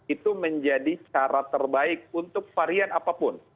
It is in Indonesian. itu menjadi cara terbaik untuk varian apapun